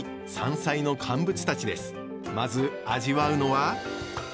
まず味わうのは！